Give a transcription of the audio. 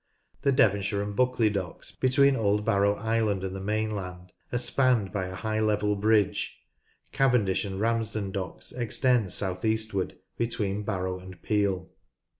The Devonshire and Buccleugh Docks between Old Barrow Island and the mainland are spanned by a high level bridge. Furness Abbey : Sedilia Cavendish and Ramsden Docks extend south eastward between Barrow and Piel.